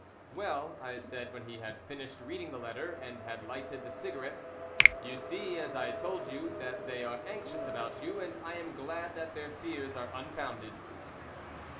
"Well," I said when he had finished reading the letter, and had lighted the cigarette, "You see, as I told you, that they are anxious about you, and I am glad that their fears are unfounded."